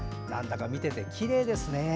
見ていてきれいですね。